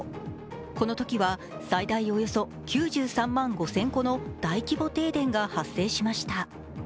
このときは最大およそ９３万５０００戸の大規模停電が発生しました。